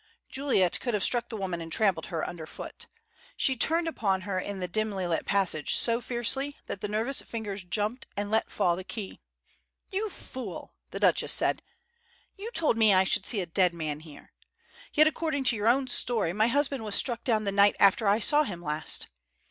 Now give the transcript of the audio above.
Juliet could have struck the woman and trampled her under foot. She turned upon her in the dimly lit passage so fiercely that the nervous fingers jumped and let fall the key. "You fool!" the Duchess said. "You told me I should see a dead man here. Yet according to your own story my husband was struck down the night after I saw him last.